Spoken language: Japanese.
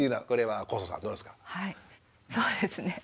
はいそうですね。